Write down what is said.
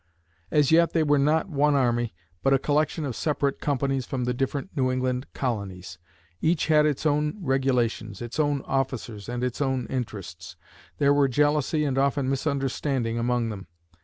As yet they were not one army, but a collection of separate companies from the different New England colonies. Each had its own regulations, its own officers and its own interests. There were jealousy and often misunderstanding among them.